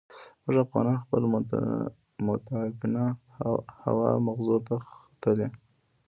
موږ افغانان خپل متعفنه هوا مغزو ته ختلې.